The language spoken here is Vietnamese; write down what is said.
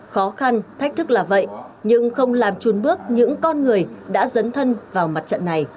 khó khăn thách thức là vậy nhưng không làm trùn bước những con người đã dấn thân vào mặt trận này